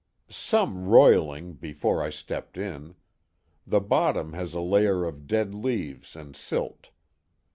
"Some roiling, before I stepped in. The bottom has a layer of dead leaves and silt.